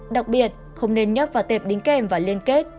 đặc biệt không nên nhấp vào tệp đính kèm và liên kết